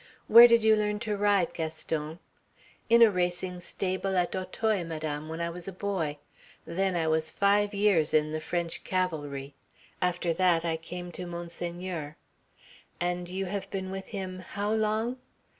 "Where did you learn to ride, Gaston?" "In a racing stable at Auteuil, Madame, when I was a boy. Then I was five years in the French cavalry. After that I came to Monseigneur." "And you have been with him how long?"